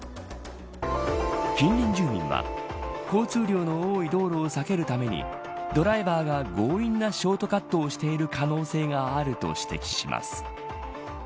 近隣住民は交通量の多い道路を避けるためにドライバーが強引なショートカットをしている可能性があると指摘します。